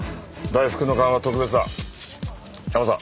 大福の勘は特別だ。